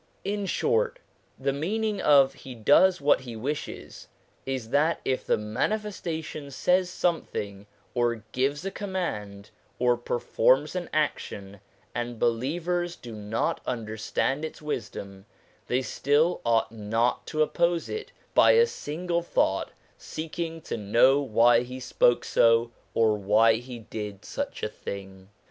In short, the meaning of c He does what He wishes ' is that if the Manifestation says something, or gives a command, or performs an action, and believers do not understand its wisdom, they still ought not to oppose it by a single thought, seeking to know why he spoke so, or why he did such a thing.